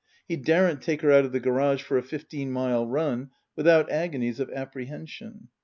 He daren't take her out of the garage for a fifteen mile run without agonies of apprehension.